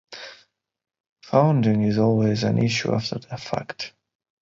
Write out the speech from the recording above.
Funding is always an issue after the fact.